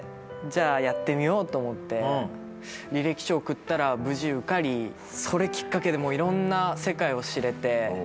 やってみようと思って履歴書送ったら無事受かりそれきっかけでいろんな世界を知れて。